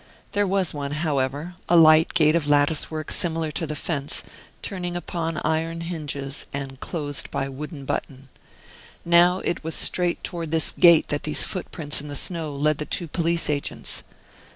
There was one, however a light gate of lattice work similar to the fence, turning upon iron hinges, and closed by a wooden button. Now it was straight toward this gate that these footprints in the snow led the two police agents.